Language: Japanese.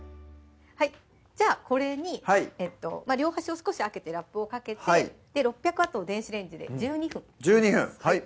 はいじゃあこれに両端を少し開けてラップをかけて６００Ｗの電子レンジで１２分１２分はい！